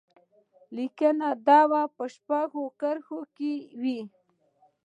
لیکنه دې په شپږو کرښو کې وشي.